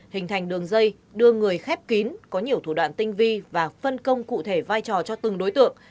hình thành đường dây đưa người khép kín có nhiều thủ đoạn tinh vi và phân công cụ thể vai trò cho từng đối tượng